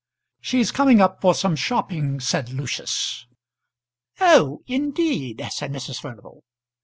"She's coming up for some shopping," said Lucius. "Oh! indeed," said Mrs. Furnival.